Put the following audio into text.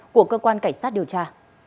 của cơ quan cảnh sát điều tra